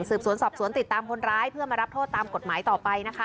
สวนสอบสวนติดตามคนร้ายเพื่อมารับโทษตามกฎหมายต่อไปนะคะ